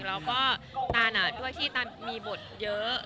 แล้วก็ตันด้วยที่ตันมีบทเยอะ